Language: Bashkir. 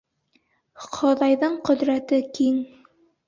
Хоҙайҙың ҡөҙрәте киң.